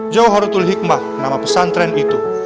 jawaharatul hikmah nama pesantren itu